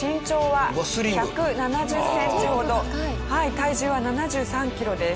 体重は７３キロです。